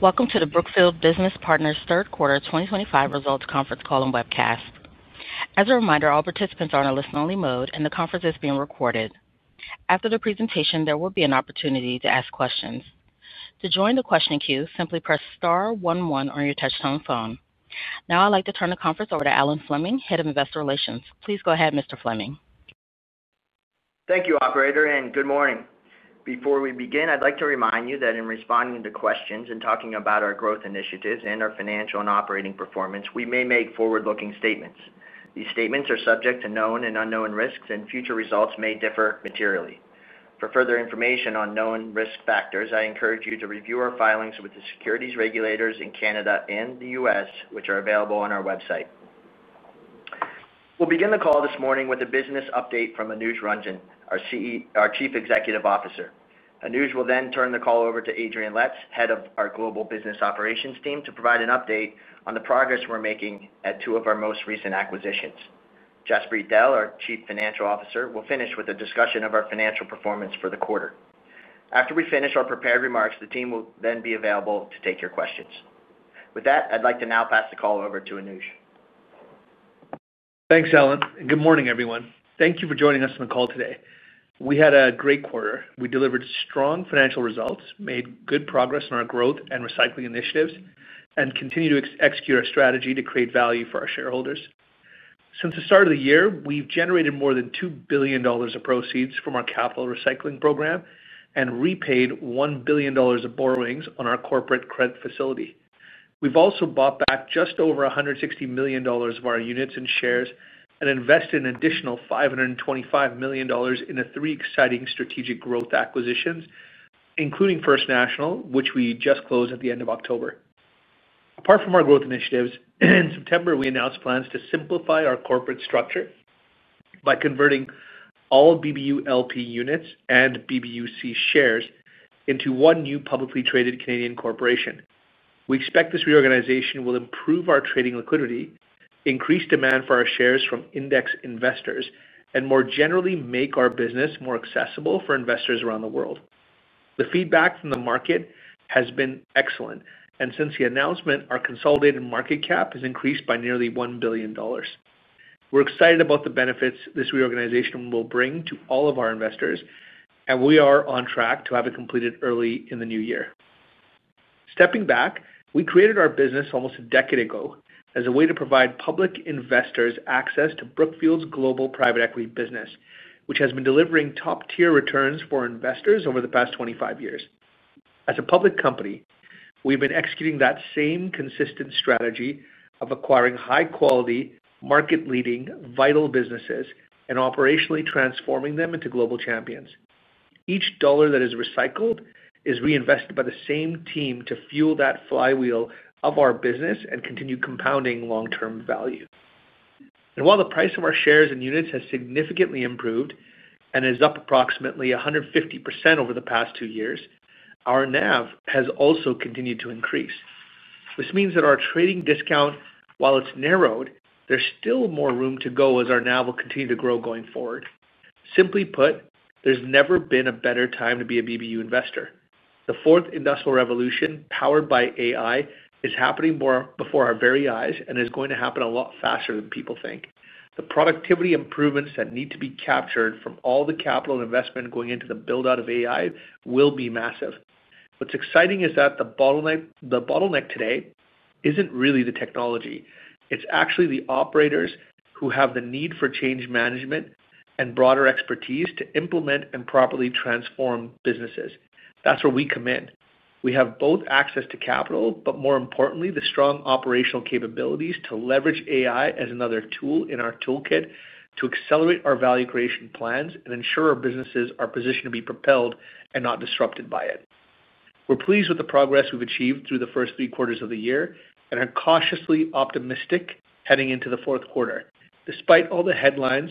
Welcome to the Brookfield Business Partners Third Quarter 2025 Results Conference Call and Webcast. As a reminder, all participants are in a listen-only mode, and the conference is being recorded. After the presentation, there will be an opportunity to ask questions. To join the question queue, simply press star one one on your touch-tone phone. Now, I'd like to turn the conference over to Alan Fleming, Head of Investor Relations. Please go ahead, Mr. Fleming. Thank you, Operator, and good morning. Before we begin, I'd like to remind you that in responding to questions and talking about our growth initiatives and our financial and operating performance, we may make forward-looking statements. These statements are subject to known and unknown risks, and future results may differ materially. For further information on known risk factors, I encourage you to review our filings with the securities regulators in Canada and the U.S., which are available on our website. We'll begin the call this morning with a business update from Anuj Ranjan, our Chief Executive Officer. Anuj will then turn the call over to Adrian Letts, Head of our Global Business Operations Team, to provide an update on the progress we're making at two of our most recent acquisitions. Jaspreet Dehl, our Chief Financial Officer, will finish with a discussion of our financial performance for the quarter. After we finish our prepared remarks, the team will then be available to take your questions. With that, I'd like to now pass the call over to Anuj. Thanks, Alan. Good morning, everyone. Thank you for joining us on the call today. We had a great quarter. We delivered strong financial results, made good progress in our growth and recycling initiatives, and continue to execute our strategy to create value for our shareholders. Since the start of the year, we've generated more than $2 billion of proceeds from our capital recycling program and repaid $1 billion of borrowings on our corporate credit facility. We've also bought back just over $160 million of our units and shares and invested an additional $525 million in three exciting strategic growth acquisitions, including First National Financial, which we just closed at the end of October. Apart from our growth initiatives, in September, we announced plans to simplify our corporate structure by converting all BBULP units and BBUC shares into one new publicly traded Canadian corporation. We expect this reorganization will improve our trading liquidity, increase demand for our shares from index investors, and more generally make our business more accessible for investors around the world. The feedback from the market has been excellent, and since the announcement, our consolidated market cap has increased by nearly $1 billion. We're excited about the benefits this reorganization will bring to all of our investors, and we are on track to have it completed early in the new year. Stepping back, we created our business almost a decade ago as a way to provide public investors access to Brookfield's global private equity business, which has been delivering top-tier returns for investors over the past 25 years. As a public company, we've been executing that same consistent strategy of acquiring high-quality, market-leading, vital businesses and operationally transforming them into global champions. Each dollar that is recycled is reinvested by the same team to fuel that flywheel of our business and continue compounding long-term value. While the price of our shares and units has significantly improved and is up approximately 150% over the past two years, our NAV has also continued to increase. This means that our trading discount, while it's narrowed, there's still more room to go as our NAV will continue to grow going forward. Simply put, there's never been a better time to be a BBU investor. The fourth industrial revolution powered by AI is happening before our very eyes and is going to happen a lot faster than people think. The productivity improvements that need to be captured from all the capital investment going into the build-out of AI will be massive. What's exciting is that the bottleneck today isn't really the technology. It's actually the operators who have the need for change management and broader expertise to implement and properly transform businesses. That's where we come in. We have both access to capital, but more importantly, the strong operational capabilities to leverage AI as another tool in our toolkit to accelerate our value creation plans and ensure our businesses are positioned to be propelled and not disrupted by it. We're pleased with the progress we've achieved through the first three quarters of the year and are cautiously optimistic heading into the fourth quarter. Despite all the headlines,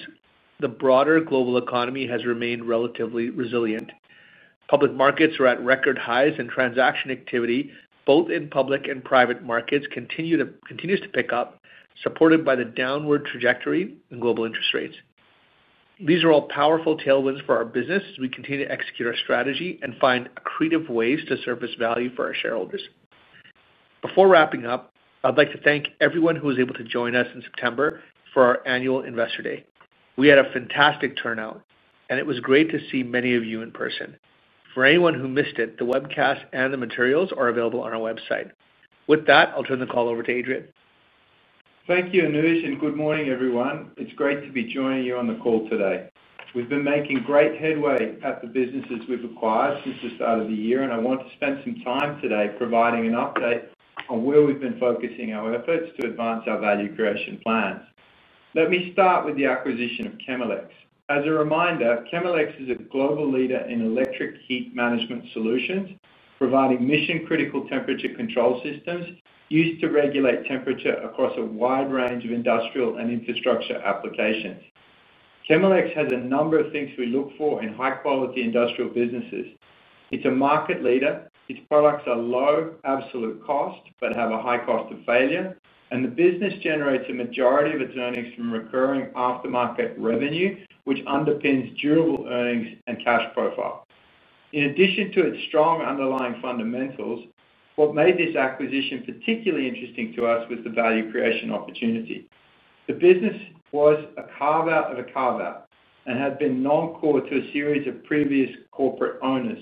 the broader global economy has remained relatively resilient. Public markets are at record highs and transaction activity, both in public and private markets, continues to pick up, supported by the downward trajectory in global interest rates. These are all powerful tailwinds for our business as we continue to execute our strategy and find creative ways to surface value for our shareholders. Before wrapping up, I'd like to thank everyone who was able to join us in September for our annual Investor Day. We had a fantastic turnout, and it was great to see many of you in person. For anyone who missed it, the webcast and the materials are available on our website. With that, I'll turn the call over to Adrian. Thank you, Anuj, and good morning, everyone. It's great to be joining you on the call today. We've been making great headway at the businesses we've acquired since the start of the year, and I want to spend some time today providing an update on where we've been focusing our efforts to advance our value creation plans. Let me start with the acquisition of Chemelex. As a reminder, Chemelex is a global leader in electric heat management solutions, providing mission-critical temperature control systems used to regulate temperature across a wide range of industrial and infrastructure applications. Chemelex has a number of things we look for in high-quality industrial businesses. It's a market leader. Its products are low absolute cost but have a high cost of failure, and the business generates a majority of its earnings from recurring aftermarket revenue, which underpins durable earnings and cash profile. In addition to its strong underlying fundamentals, what made this acquisition particularly interesting to us was the value creation opportunity. The business was a carve-out of a carve-out and had been non-core to a series of previous corporate owners.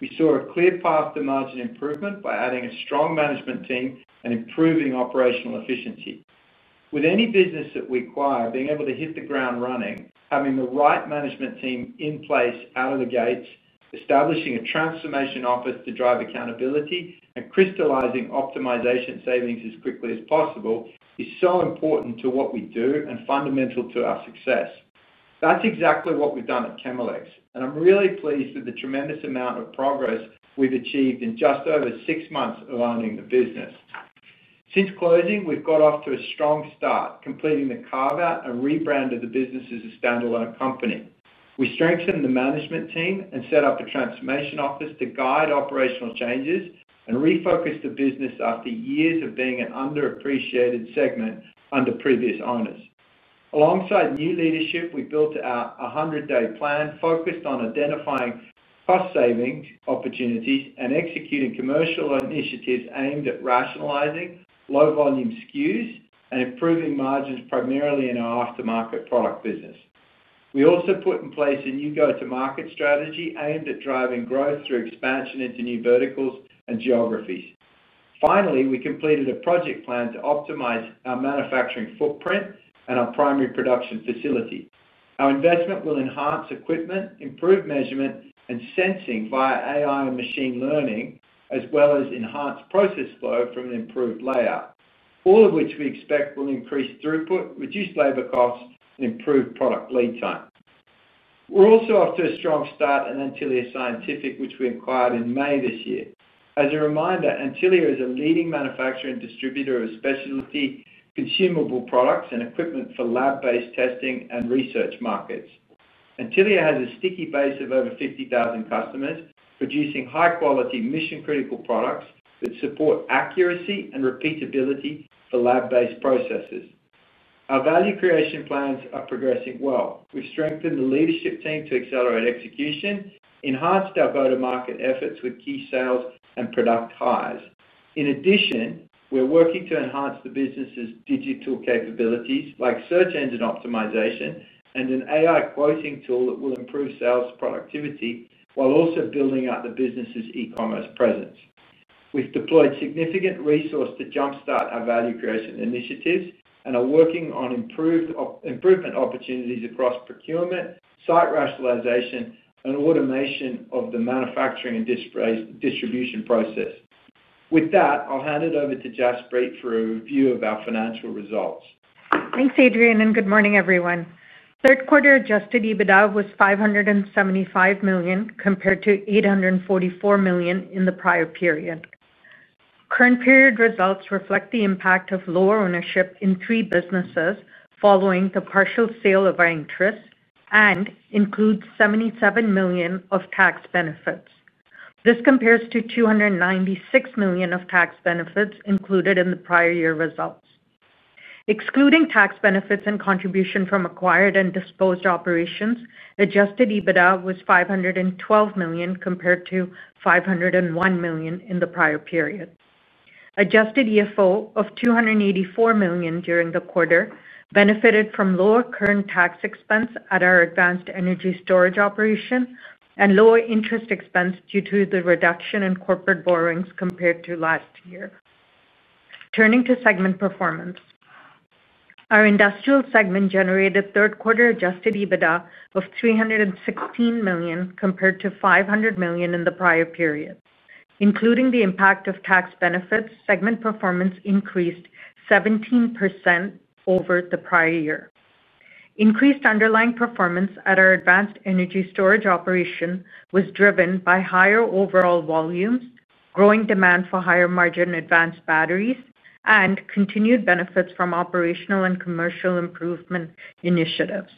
We saw a clear path to margin improvement by adding a strong management team and improving operational efficiency. With any business that we acquire, being able to hit the ground running, having the right management team in place out of the gates, establishing a transformation office to drive accountability, and crystallizing optimization savings as quickly as possible is so important to what we do and fundamental to our success. That's exactly what we've done at Chemelex, and I'm really pleased with the tremendous amount of progress we've achieved in just over six months of owning the business. Since closing, we've got off to a strong start, completing the carve-out and rebranded the business as a standalone company. We strengthened the management team and set up a transformation office to guide operational changes and refocus the business after years of being an underappreciated segment under previous owners. Alongside new leadership, we built out a 100-day plan focused on identifying cost savings opportunities and executing commercial initiatives aimed at rationalizing low-volume SKUs and improving margins primarily in our aftermarket product business. We also put in place a new go-to-market strategy aimed at driving growth through expansion into new verticals and geographies. Finally, we completed a project plan to optimize our manufacturing footprint and our primary production facility. Our investment will enhance equipment, improve measurement, and sensing via AI and machine learning, as well as enhance process flow from an improved layout, all of which we expect will increase throughput, reduce labor costs, and improve product lead time. We're also off to a strong start at Antylia Scientific, which we acquired in May this year. As a reminder, Antylia is a leading manufacturer and distributor of specialty consumable products and equipment for lab-based testing and research markets. Antylia has a sticky base of over 50,000 customers producing high-quality, mission-critical products that support accuracy and repeatability for lab-based processes. Our value creation plans are progressing well. We've strengthened the leadership team to accelerate execution, enhanced our go-to-market efforts with key sales and product highs. In addition, we're working to enhance the business's digital capabilities like search engine optimization and an AI quoting tool that will improve sales productivity while also building out the business's e-commerce presence. We've deployed significant resources to jump-start our value creation initiatives and are working on improvement opportunities across procurement, site rationalization, and automation of the manufacturing and distribution process. With that, I'll hand it over to Jaspreet for a review of our financial results. Thanks, Adrian, and good morning, everyone. Third quarter Adjusted EBITDA was 575 million compared to 844 million in the prior period. Current period results reflect the impact of lower ownership in three businesses following the partial sale of Anktrus and include 77 million of tax benefits. This compares to 296 million of tax benefits included in the prior year results. Excluding tax benefits and contribution from acquired and disposed operations, Adjusted EBITDA was 512 million compared to 501 million in the prior period. Adjusted EFO of 284 million during the quarter benefited from lower current tax expense at our advanced energy storage operation and lower interest expense due to the reduction in corporate borrowings compared to last year. Turning to segment performance. Our industrial segment generated third quarter Adjusted EBITDA of 316 million compared to 500 million in the prior period. Including the impact of tax benefits, segment performance increased 17% over the prior year. Increased underlying performance at our advanced energy storage operation was driven by higher overall volumes, growing demand for higher margin advanced batteries, and continued benefits from operational and commercial improvement initiatives.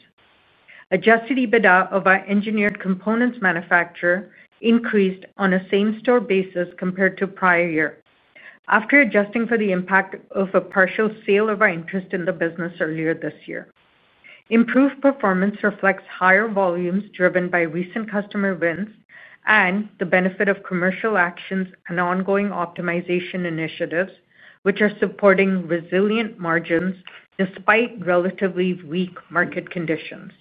Adjusted EBITDA of our engineered components manufacturer increased on a same-store basis compared to prior year after adjusting for the impact of a partial sale of our interest in the business earlier this year. Improved performance reflects higher volumes driven by recent customer wins and the benefit of commercial actions and ongoing optimization initiatives, which are supporting resilient margins despite relatively weak market conditions.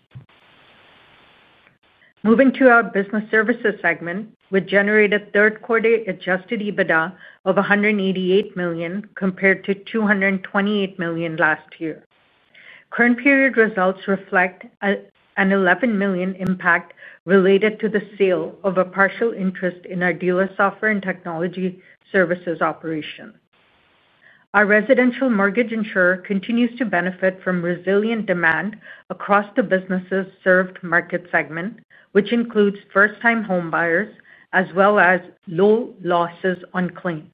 Moving to our business services segment, we generated third quarter Adjusted EBITDA of 188 million compared to 228 million last year. Current period results reflect. An $one one million impact related to the sale of a partial interest in our dealer software and technology services operation. Our residential mortgage insurer continues to benefit from resilient demand across the business's served market segment, which includes first-time home buyers as well as low losses on claims.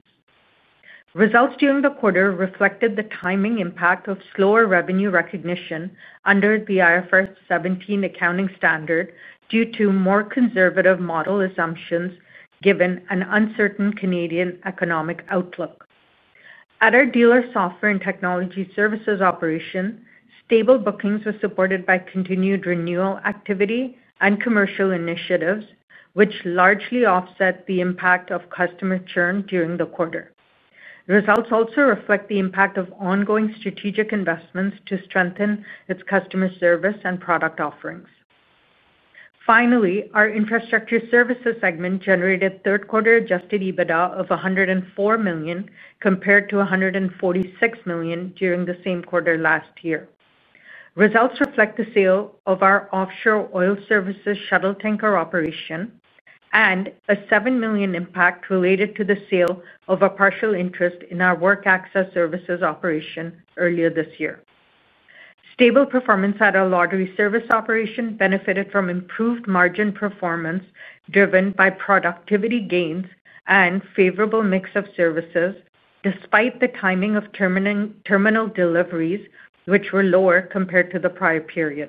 Results during the quarter reflected the timing impact of slower revenue recognition under the IFRS 17 accounting standard due to more conservative model assumptions given an uncertain Canadian economic outlook. At our dealer software and technology services operation, stable bookings were supported by continued renewal activity and commercial initiatives, which largely offset the impact of customer churn during the quarter. Results also reflect the impact of ongoing strategic investments to strengthen its customer service and product offerings. Finally, our infrastructure services segment generated third quarter Adjusted EBITDA of $104 million compared to $146 million during the same quarter last year. Results reflect the sale of our offshore oil services shuttle tanker operation and a 7 million impact related to the sale of a partial interest in our work access services operation earlier this year. Stable performance at our lottery service operation benefited from improved margin performance driven by productivity gains and favorable mix of services despite the timing of terminal deliveries, which were lower compared to the prior period.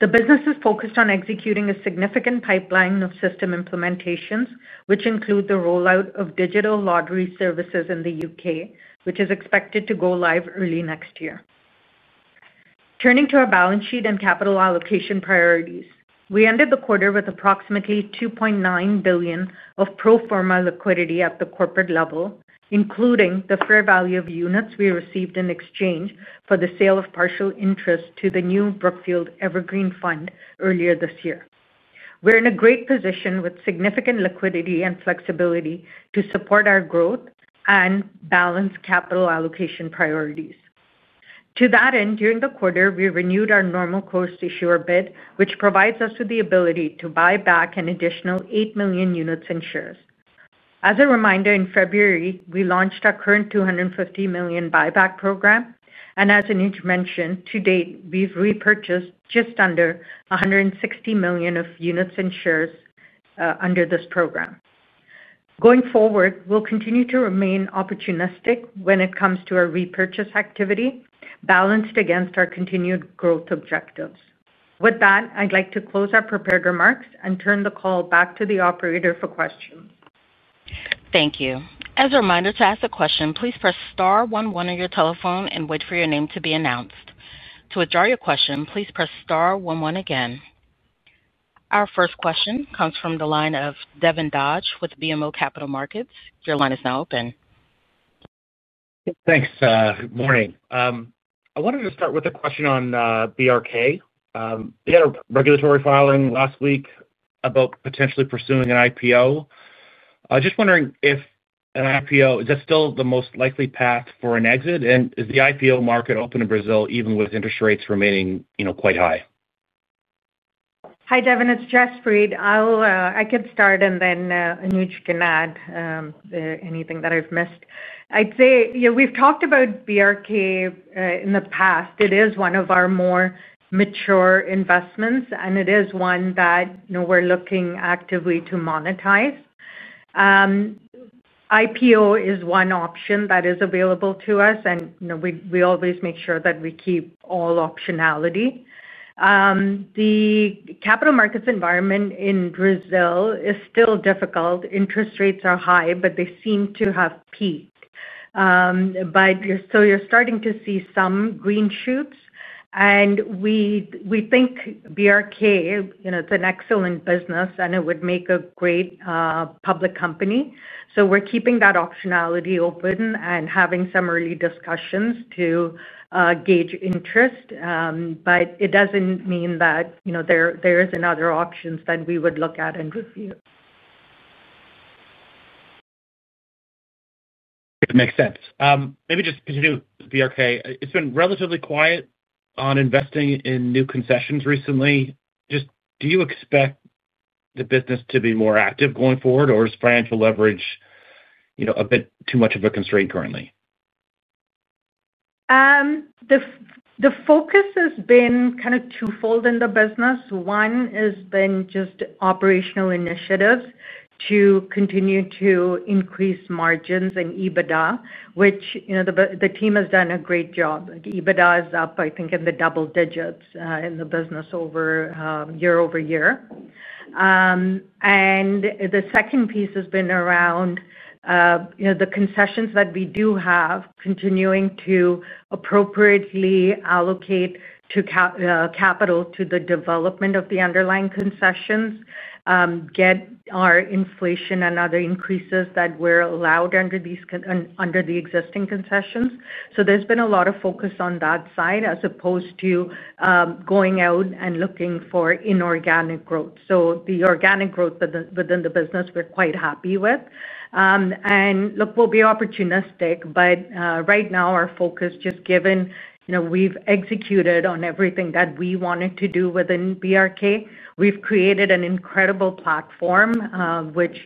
The business is focused on executing a significant pipeline of system implementations, which include the rollout of digital lottery services in the U.K., which is expected to go live early next year. Turning to our balance sheet and capital allocation priorities, we ended the quarter with approximately 2.9 billion of pro forma liquidity at the corporate level, including the fair value of units we received in exchange for the sale of partial interest to the new Brookfield Evergreen Fund earlier this year. We're in a great position with significant liquidity and flexibility to support our growth and balance capital allocation priorities. To that end, during the quarter, we renewed our normal course to share bid, which provides us with the ability to buy back an additional 8 million units in shares. As a reminder, in February, we launched our current 250 million buyback program, and as Anuj mentioned, to date, we've repurchased just under 160 million of units in shares under this program. Going forward, we'll continue to remain opportunistic when it comes to our repurchase activity balanced against our continued growth objectives. With that, I'd like to close our prepared remarks and turn the call back to the operator for questions. Thank you. As a reminder to ask a question, please press star one one on your telephone and wait for your name to be announced. To withdraw your question, please press star one one again. Our first question comes from the line of Devin Dodge with BMO Capital Markets. Your line is now open. Thanks. Good morning. I wanted to start with a question on BRK. We had a regulatory filing last week about potentially pursuing an IPO. Just wondering if an IPO, is that still the most likely path for an exit? And is the IPO market open in Brazil even with interest rates remaining quite high? Hi, Devin. It's Jaspreet. I could start, and then Anuj can add. Anything that I've missed. I'd say we've talked about BRK in the past. It is one of our more mature investments, and it is one that we're looking actively to monetize. IPO is one option that is available to us, and we always make sure that we keep all optionality. The capital markets environment in Brazil is still difficult. Interest rates are high, but they seem to have peaked. So you're starting to see some green shoots, and we think BRK, it's an excellent business, and it would make a great public company. So we're keeping that optionality open and having some early discussions to. Gauge interest, but it doesn't mean that. There are other options that we would look at and review. Okay. That makes sense. Maybe just to continue with BRK, it's been relatively quiet on investing in new concessions recently. Just do you expect the business to be more active going forward, or is financial leverage. A bit too much of a constraint currently? The focus has been kind of twofold in the business. One has been just operational initiatives to continue to increase margins and EBITDA, which the team has done a great job. EBITDA is up, I think, in the double digits in the business year over year. And the second piece has been around. The concessions that we do have, continuing to appropriately allocate capital. To the development of the underlying concessions, get our inflation and other increases that we're allowed under the existing concessions. So there's been a lot of focus on that side as opposed to. Going out and looking for inorganic growth. So the organic growth within the business, we're quite happy with. And look, we'll be opportunistic, but right now, our focus just given we've executed on everything that we wanted to do within BRK, we've created an incredible platform, which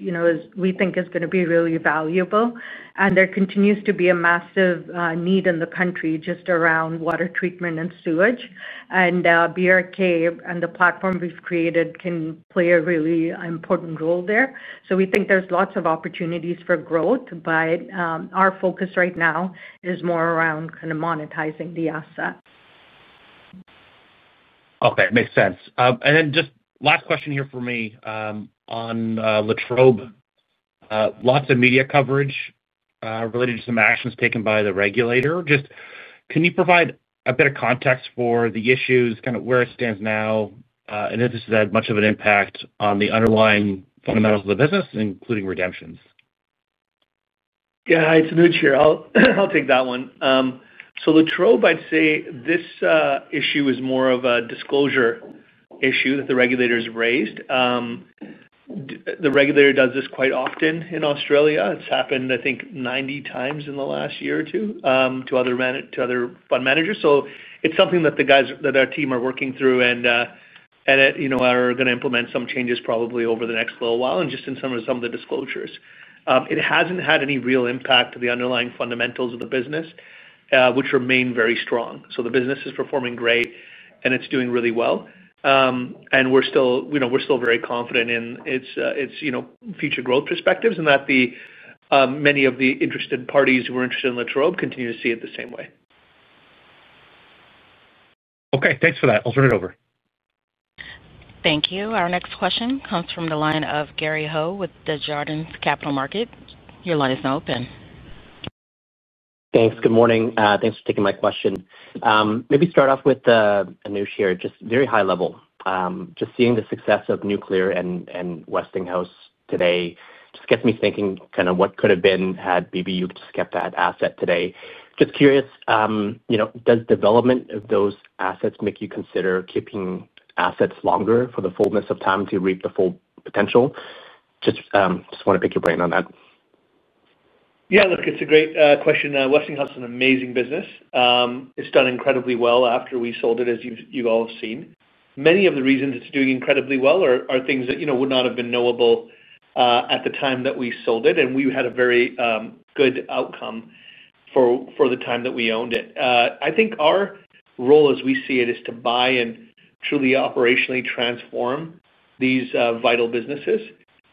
we think is going to be really valuable. And there continues to be a massive need in the country just around water treatment and sewage. And BRK and the platform we've created can play a really important role there. So we think there's lots of opportunities for growth, but our focus right now is more around kind of monetizing the asset. Okay. Makes sense. And then just last question here for me. On La Trobe. Lots of media coverage related to some actions taken by the regulator. Just can you provide a bit of context for the issues, kind of where it stands now. And if this has had much of an impact on the underlying fundamentals of the business, including redemptions? Yeah. It's Anuj here. I'll take that one. So La Trobe, I'd say this issue is more of a disclosure issue that the regulator has raised. The regulator does this quite often in Australia. It's happened, I think, 90 times in the last year or two to other. Fund managers. So it's something that the guys that our team are working through and. Are going to implement some changes probably over the next little while, and just in some of the disclosures. It hasn't had any real impact to the underlying fundamentals of the business. Which remain very strong. So the business is performing great, and it's doing really well. And we're still very confident in its future growth perspectives and that. Many of the interested parties who were interested in La Trobe continue to see it the same way. Okay. Thanks for that. I'll turn it over. Thank you. Our next question comes from the line of Gary Ho with Desjardins Capital Markets. Your line is now open. Thanks. Good morning. Thanks for taking my question. Maybe start off with Anuj here, just very high level. Just seeing the success of Nuclear and Westinghouse today just gets me thinking kind of what could have been had BBU just kept that asset today. Just curious. Does development of those assets make you consider keeping assets longer for the fullness of time to reap the full potential? Just want to pick your brain on that. Yeah. Look, it's a great question. Westinghouse is an amazing business. It's done incredibly well after we sold it, as you've all seen. Many of the reasons it's doing incredibly well are things that would not have been knowable. At the time that we sold it, and we had a very good outcome for the time that we owned it. I think our role, as we see it, is to buy and truly operationally transform. These vital businesses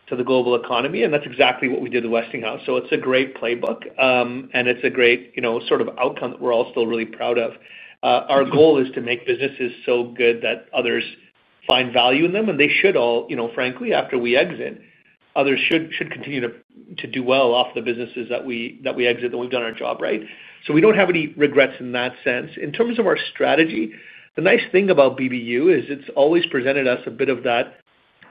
to the global economy, and that's exactly what we did with Westinghouse. So it's a great playbook, and it's a great sort of outcome that we're all still really proud of. Our goal is to make businesses so good that others find value in them, and they should all, frankly, after we exit, others should continue to do well off the businesses that we exit that we've done our job right. So we don't have any regrets in that sense. In terms of our strategy, the nice thing about BBU is it's always presented us a bit of that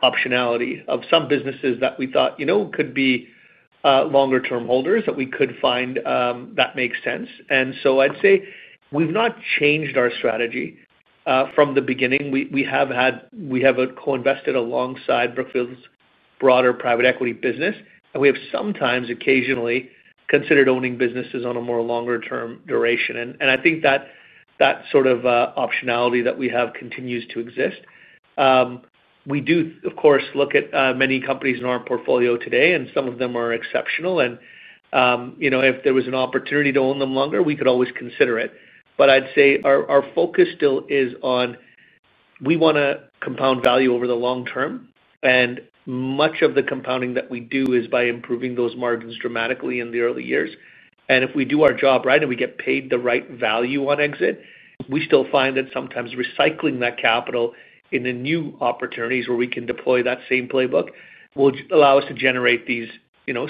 optionality of some businesses that we thought could be. Longer-term holders that we could find that make sense. And so I'd say we've not changed our strategy from the beginning. We have had. A co-invested alongside Brookfield's broader private equity business, and we have sometimes, occasionally considered owning businesses on a more longer-term duration. And I think that. Sort of optionality that we have continues to exist. We do, of course, look at many companies in our portfolio today, and some of them are exceptional. And. If there was an opportunity to own them longer, we could always consider it. But I'd say our focus still is on. We want to compound value over the long term. And much of the compounding that we do is by improving those margins dramatically in the early years. And if we do our job right and we get paid the right value on exit, we still find that sometimes recycling that capital in the new opportunities where we can deploy that same playbook will allow us to generate these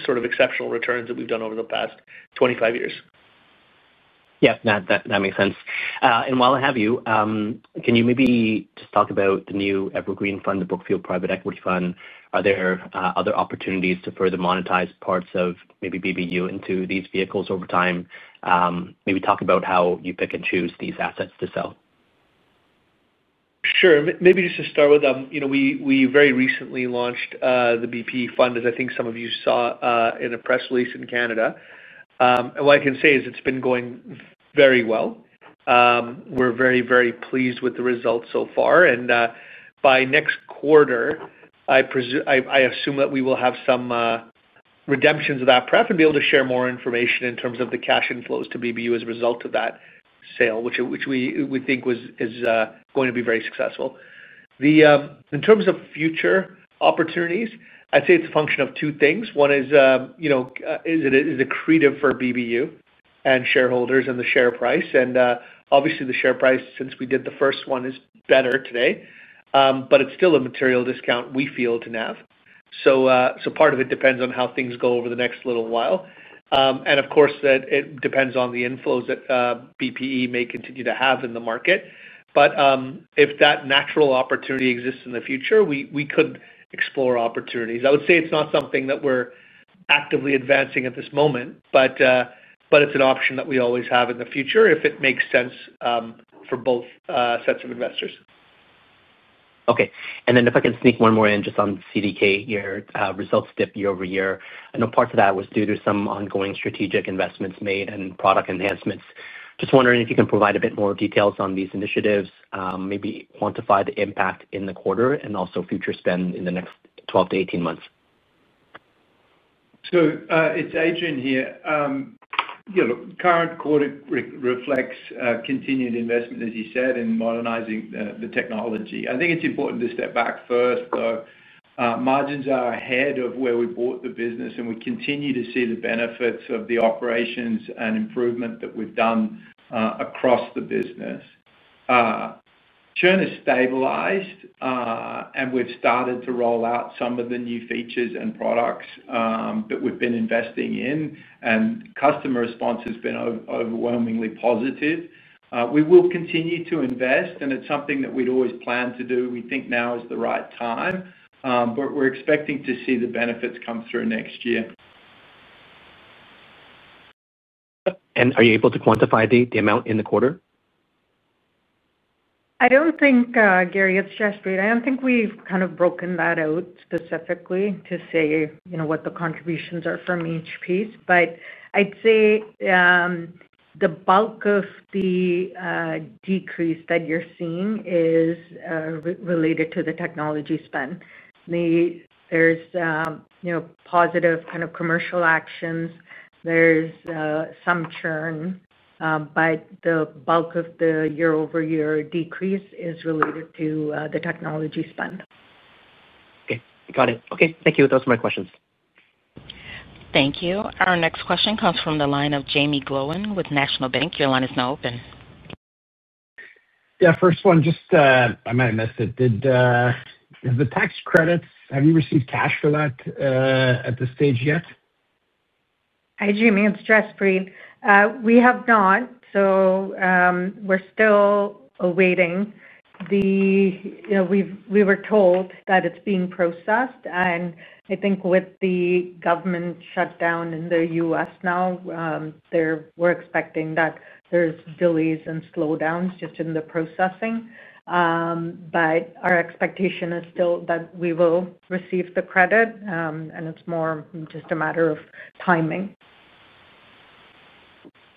sort of exceptional returns that we've done over the past 25 years. Yes. That makes sense. And while I have you, can you maybe just talk about the new Evergreen Fund, the Brookfield Private Equity Fund? Are there other opportunities to further monetize parts of maybe BBU into these vehicles over time? Maybe talk about how you pick and choose these assets to sell. Sure. Maybe just to start with. We very recently launched the BP Fund, as I think some of you saw in a press release in Canada. And what I can say is it's been going very well. We're very, very pleased with the results so far. And by next quarter, I. Assume that we will have some. Redemptions of that prep and be able to share more information in terms of the cash inflows to BBU as a result of that sale, which we think is going to be very successful. In terms of future opportunities, I'd say it's a function of two things. One is. The creative for BBU and shareholders and the share price. And obviously, the share price, since we did the first one, is better today, but it's still a material discount we feel to have. So part of it depends on how things go over the next little while. And of course, it depends on the inflows that BPE may continue to have in the market. But if that natural opportunity exists in the future, we could explore opportunities. I would say it's not something that we're actively advancing at this moment, but it's an option that we always have in the future if it makes sense for both sets of investors. Okay. And then if I can sneak one more in just on CDK, your results dip year over year. I know part of that was due to some ongoing strategic investments made and product enhancements. Just wondering if you can provide a bit more details on these initiatives, maybe quantify the impact in the quarter and also future spend in the next 12-18 months. So it's Adrian here. Look, current quarter reflects continued investment, as you said, in modernizing the technology. I think it's important to step back first, though. Margins are ahead of where we bought the business, and we continue to see the benefits of the operations and improvement that we've done across the business. Churn has stabilized. And we've started to roll out some of the new features and products that we've been investing in. And customer response has been overwhelmingly positive. We will continue to invest, and it's something that we'd always planned to do. We think now is the right time, but we're expecting to see the benefits come through next year. And are you able to quantify the amount in the quarter? I don't think, Gary, it's Jaspreet. I don't think we've kind of broken that out specifically to say what the contributions are from each piece. But I'd say. The bulk of the. Decrease that you're seeing is. Related to the technology spend. There's. Positive kind of commercial actions. There's some churn, but the bulk of the year-over-year decrease is related to the technology spend. Okay. Got it. Okay. Thank you. Those are my questions. Thank you. Our next question comes from the line of Jamie Glowen with National Bank. Your line is now open. Yeah. First one, just I might have missed it. Have you received cash for that. At this stage yet? Hi, Jamie. It's Jaspreet. We have not. So. We're still awaiting. We were told that it's being processed. And I think with the government shutdown in the US now. We're expecting that there's delays and slowdowns just in the processing. But our expectation is still that we will receive the credit, and it's more just a matter of timing.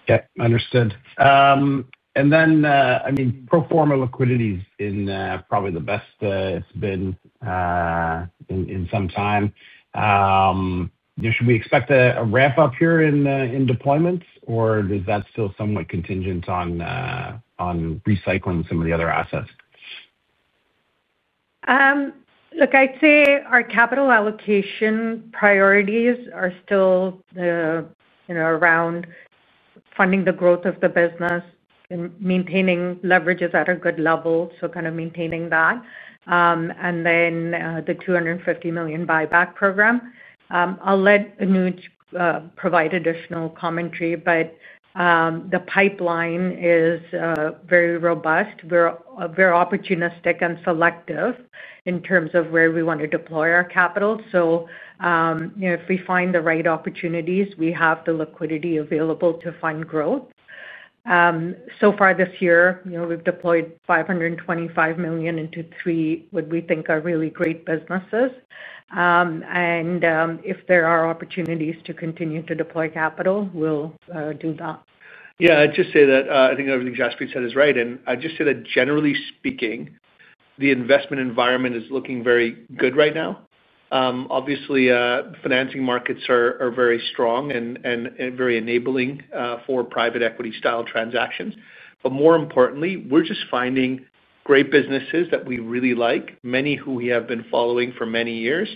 Yeah. Understood. And then, I mean, pro forma liquidity is probably the best it's been. In some time. Should we expect a ramp-up here in deployments, or is that still somewhat contingent on. Recycling some of the other assets? Look, I'd say our capital allocation priorities are still. Around. Funding the growth of the business. And maintaining leverages at a good level, so kind of maintaining that. And then the 250 million buyback program. I'll let Anuj provide additional commentary, but. The pipeline is very robust. We're opportunistic and selective in terms of where we want to deploy our capital. So. If we find the right opportunities, we have the liquidity available to fund growth. So far this year, we've deployed 525 million into three what we think are really great businesses. And if there are opportunities to continue to deploy capital, we'll do that. Yeah. I'd just say that I think everything Jaspreet said is right. And I'd just say that, generally speaking, the investment environment is looking very good right now. Obviously, financing markets are very strong and very enabling for private equity-style transactions. But more importantly, we're just finding great businesses that we really like, many who we have been following for many years,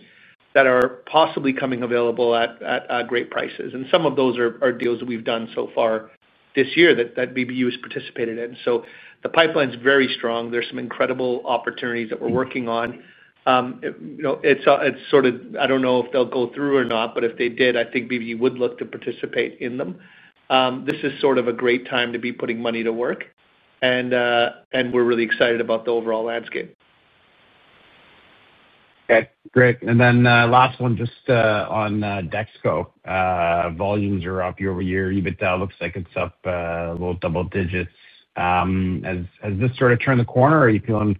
that are possibly coming available at great prices. And some of those are deals that we've done so far this year that BBU has participated in. So the pipeline is very strong. There's some incredible opportunities that we're working on. It's sort of I don't know if they'll go through or not, but if they did, I think BBU would look to participate in them. This is sort of a great time to be putting money to work, and we're really excited about the overall landscape. Okay. Great. And then last one, just on DexKo. Volumes are up year over year. EBITDA looks like it's up a little double digits. Has this sort of turned the corner, or are you feeling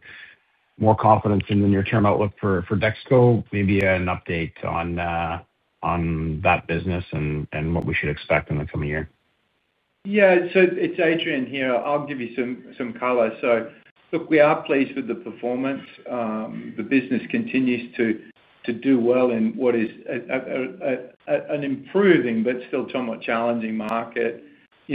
more confident in your term outlook for DexKo? Maybe an update on. That business and what we should expect in the coming year? Yeah. So it's Adrian here. I'll give you some colors. So look, we are pleased with the performance. The business continues to do well in what is. An improving but still somewhat challenging market.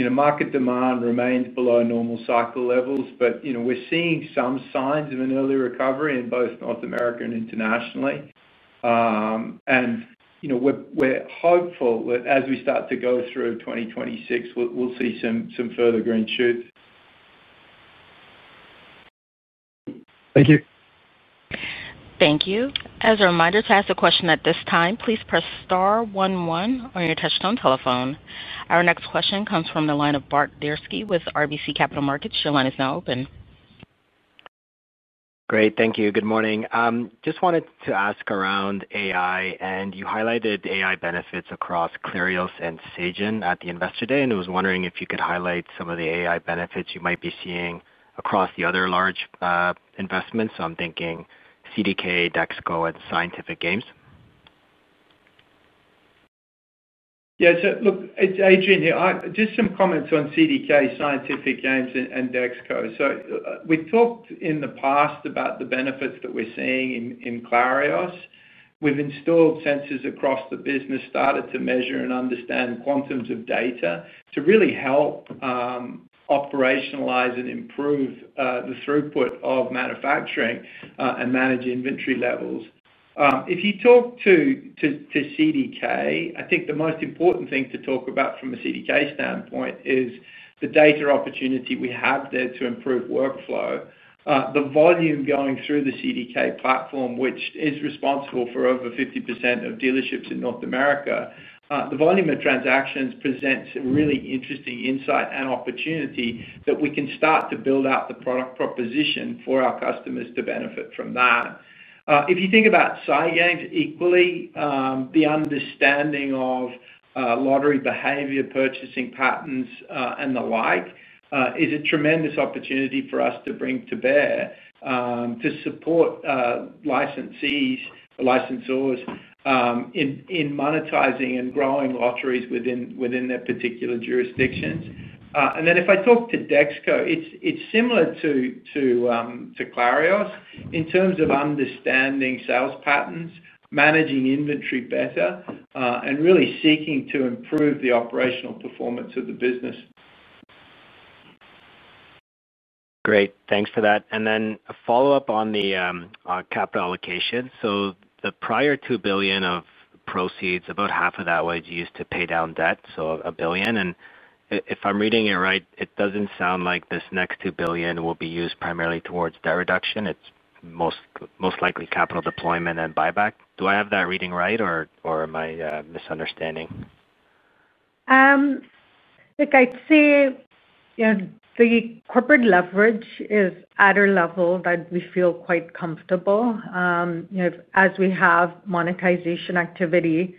Market demand remains below normal cycle levels, but we're seeing some signs of an early recovery in both North America and internationally. And. We're hopeful that as we start to go through 2026, we'll see some further green shoots. Thank you. Thank you. As a reminder to ask a question at this time, please press star one one on your touchstone telephone. Our next question comes from the line of Bart Dziarski with RBC Capital Markets. Your line is now open. Great. Thank you. Good morning. Just wanted to ask around AI, and you highlighted AI benefits across Clerios and Sagen at the investor day, and I was wondering if you could highlight some of the AI benefits you might be seeing across the other large investments. So I'm thinking CDK, DexKo, and Scientific Games. Yeah. So look, it's Adrian here. Just some comments on CDK, Scientific Games, and DexKo. So we've talked in the past about the benefits that we're seeing in Clarios. We've installed sensors across the business, started to measure and understand quantums of data to really help. Operationalize and improve the throughput of manufacturing and manage inventory levels. If you talk to. CDK, I think the most important thing to talk about from a CDK standpoint is the data opportunity we have there to improve workflow. The volume going through the CDK platform, which is responsible for over 50% of dealerships in North America, the volume of transactions presents a really interesting insight and opportunity that we can start to build out the product proposition for our customers to benefit from that. If you think about side games equally, the understanding of. Lottery behavior, purchasing patterns, and the like is a tremendous opportunity for us to bring to bear to support. Licensees. In monetizing and growing lotteries within their particular jurisdictions. And then if I talk to DexKo, it's similar to. Clarios in terms of understanding sales patterns, managing inventory better, and really seeking to improve the operational performance of the business. Great. Thanks for that. And then a follow-up on the. Capital allocation. So the prior 2 billion of proceeds, about half of that was used to pay down debt, so a billion. And if I'm reading it right, it doesn't sound like this next 2 billion will be used primarily towards debt reduction. It's most likely capital deployment and buyback. Do I have that reading right, or am I misunderstanding? Look, I'd say. The corporate leverage is at a level that we feel quite comfortable. As we have monetization activity.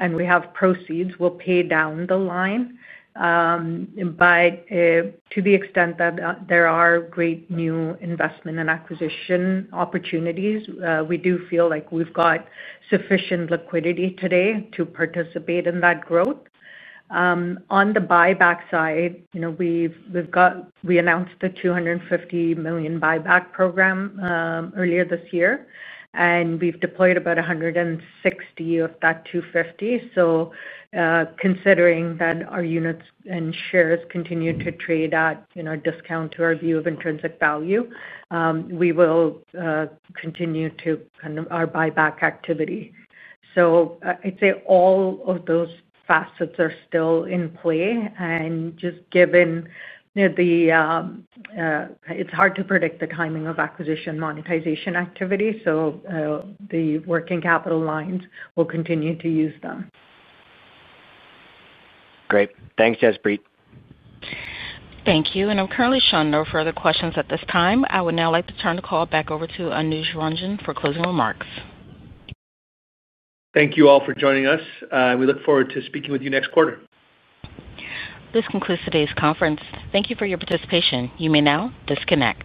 And we have proceeds, we'll pay down the line. But to the extent that there are great new investment and acquisition opportunities, we do feel like we've got sufficient liquidity today to participate in that growth. On the buyback side, we announced the 250 million buyback program. Earlier this year, and we've deployed about 160 of that 250. So. Considering that our units and shares continue to trade at a discount to our view of intrinsic value, we will. Continue to kind of our buyback activity. So I'd say all of those facets are still in play. And just given. The. It's hard to predict the timing of acquisition monetization activity, so. The working capital lines will continue to use them. Great. Thanks, Jaspreet. Thank you. And I'm currently showing no further questions at this time. I would now like to turn the call back over to Anuj Ranjan for closing remarks. Thank you all for joining us. We look forward to speaking with you next quarter. This concludes today's conference. Thank you for your participation. You may now disconnect.